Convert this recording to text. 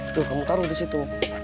tuh kamu taruh disitu